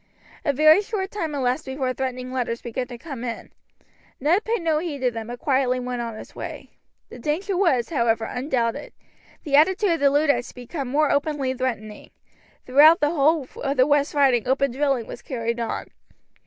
A very short time elapsed before threatening letters began to come in. Ned paid no heed to them, but quietly went on his way. The danger was, however, undoubted. The attitude of the Luddites had become more openly threatening. Throughout the whole of the West Riding open drilling was carried on.